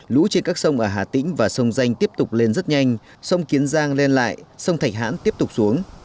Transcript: lũ trên các sông ở hà tĩnh và sông danh tiếp tục lên rất nhanh sông kiến giang lên lại sông thạch hãn tiếp tục xuống